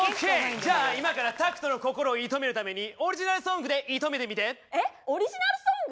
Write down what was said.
じゃあ今からタクトの心を射止めるためにオリジナルソングで射止めてみて！えオリジナルソング？